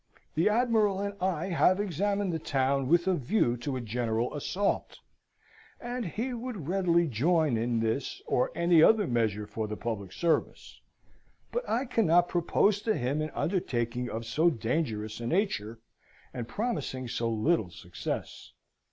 The admiral and I have examined the town with a view to a general assault: and he would readily join in this or any other measure for the public service; but I cannot propose to him an undertaking of so dangerous a nature, and promising so little success....